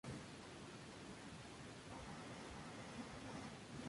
Algunos autores mencionan la presencia de puntos oscuros por todo el cuerpo.